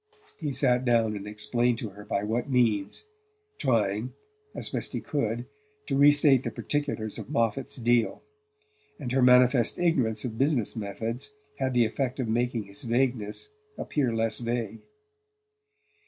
He sat down and explained to her by what means, trying, as best he could, to restate the particulars of Moffatt's deal; and her manifest ignorance of business methods had the effect of making his vagueness appear less vague.